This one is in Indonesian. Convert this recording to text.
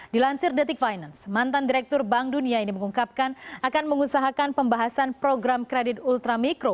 dilansir detik finance mantan direktur bank dunia ini mengungkapkan akan mengusahakan pembahasan program kredit ultramikro